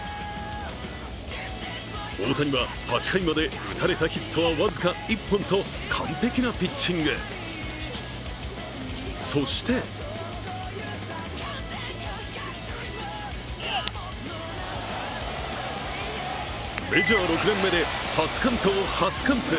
大谷は８回まで打たれたヒットは僅か１本と完璧なピッチングそしてメジャー６年目で初完投初完封。